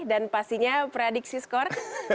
dan pastinya prediksi skor